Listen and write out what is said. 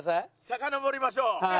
さかのぼりましょう。